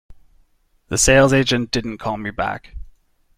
The sales agent didn't call me back.